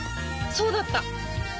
そうだった！